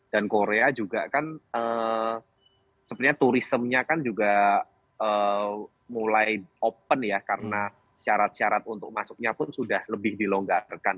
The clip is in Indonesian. dan korea juga kan sebenarnya turismenya kan juga mulai open ya karena syarat syarat untuk masuknya pun sudah lebih dilonggarkan